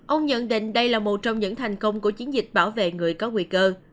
ông nhận định đây là một trong những thành công của chiến dịch bảo vệ người có nguy cơ